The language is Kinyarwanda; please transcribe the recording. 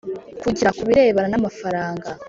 kugira ku birebana n amafaranga